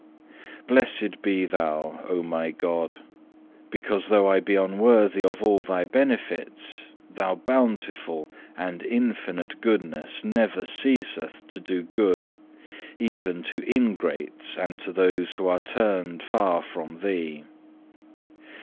3. Blessed be Thou, O my God, because though I be unworthy of all Thy benefits, Thy bountiful and infinite goodness never ceaseth to do good even to ingrates and to those who are turned far from Thee.